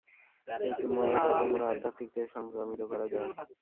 একটি মন হইতে অপর মনে আধ্যাত্মিক তেজ সংক্রামিত করা যায়।